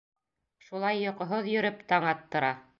Шулай йоҡоһоҙ йөрөп таң аттыра.